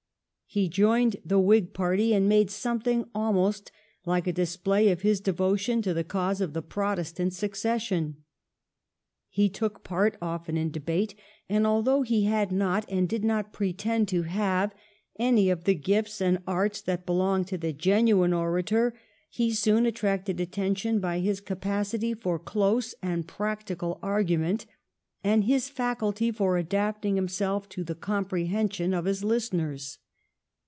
He joined the Whig Party, and made something almost like a display of his devotion to the cause of the Protestant succession. He took part often in debate, and although he had not, and did not pretend to have, any of the gifts and arts that belong to the genuine orator, he soon attracted attention by his capacity for close and prac tical argument and his faculty for adapting himself to the comprehension of his listeners.